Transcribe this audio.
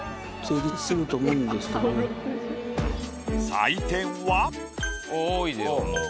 採点は。